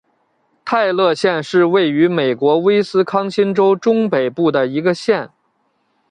泰勒县是位于美国威斯康辛州中北部的一个县。